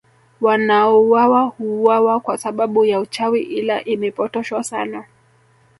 Wanaouwawa huuwawa kwa sababu ya uchawi ila imepotoshwa sana